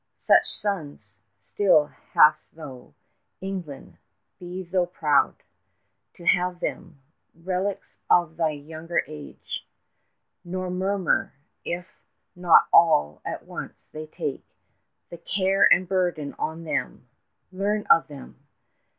Such sons still hast thou, England; be thou proud To have them, relics of thy younger age. 36 Nor murmur if not all at once they take The care and burden on them. Learn of them!